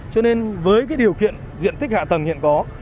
cho nên với cái điều kiện diện tích hạ tầng hiện có